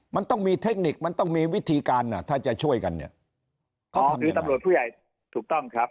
มันต้องมีเทคนิคมันต้องมีวิธีการอ่ะถ้าจะช่วยกันเนี่ยก็ต้องถือตำรวจผู้ใหญ่ถูกต้องครับ